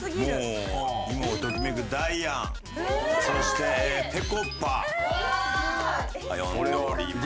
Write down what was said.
もう今をときめくダイアンそしてぺこぱ呼んでおります。